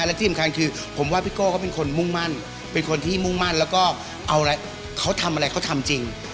และที่สำคัญคือผมว่าพี่โก้เขาเป็นคนมุ่งมั่นเป็นคนที่มุ่งมั่นแล้วก็เอาอะไรเขาทำอะไรเขาทำจริง